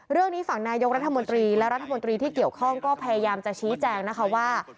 เรื่องนี้ฝั่งนายกรัฐมนตรีและรัฐมนตรีที่เกี่ยวข้องก็พยายามจะชี้แจงนะคะว่า